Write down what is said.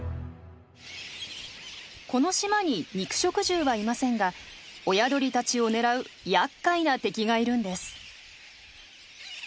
この島に肉食獣はいませんが親鳥たちを狙うやっかいな敵がいるんです。